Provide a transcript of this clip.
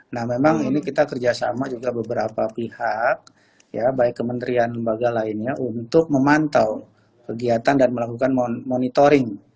nah memang ini kita kerjasama juga beberapa pihak ya baik kementerian lembaga lainnya untuk memantau kegiatan dan melakukan monitoring